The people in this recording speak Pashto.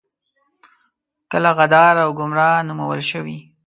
کله غدار او ګمرا نومول شوي.